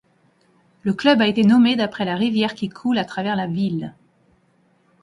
Le club a été nommé d'après la rivière qui coule à travers la ville.